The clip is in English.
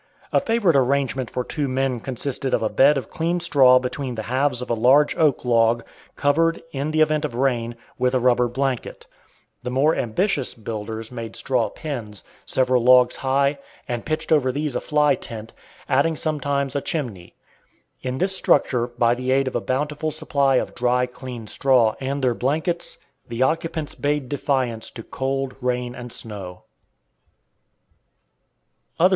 A favorite arrangement for two men consisted of a bed of clean straw between the halves of a large oak log, covered, in the event of rain, with a rubber blanket. The more ambitious builders made straw pens, several logs high, and pitched over these a fly tent, adding sometimes a chimney. In this structure, by the aid of a bountiful supply of dry, clean straw, and their blankets, the occupants bade defiance to cold, rain, and snow.